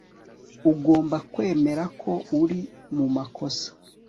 Ugomba kwemera ko uri mu makosa